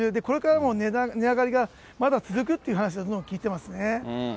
これからも値上がりがまだ続くっていう話も聞いてますね。